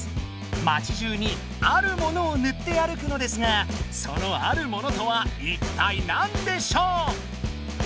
町じゅうにあるものをぬって歩くのですがその「あるもの」とはいったい何でしょう？